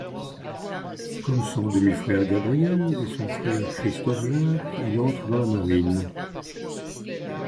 Comme son demi-frère Gabriel, et son frère Christophe-Jacques, il entre dans la marine.